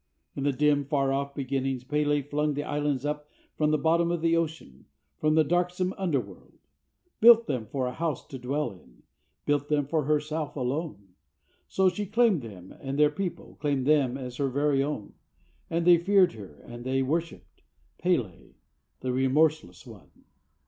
In the dim far off beginnings, P├®l├® flung the islands up From the bottom of the ocean, from the darksome underworld; Built them for a house to dwell in, built them for herself alone, So she claimed them and their people, claimed them as her very own, And they feared her, and they worshipped P├®l├®, the Remorseless One.